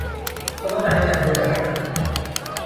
คุณต้องการให้ฉันพูดอะไร ?